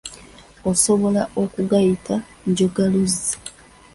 Osobola okugayita njogaluzzi.